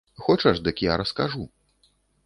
Хочаш, дык я раскажу.